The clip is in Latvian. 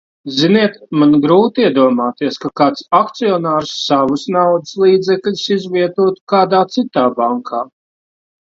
Ziniet, man grūti iedomāties, ka kāds akcionārs savus naudas līdzekļus izvietotu kādā citā bankā.